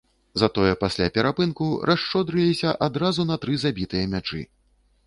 Затое пасля перапынку расшчодрыліся адразу на тры забітыя мячы.